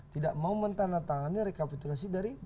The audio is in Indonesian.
tidak mau mentandatangannya rekapitulasi dari bumb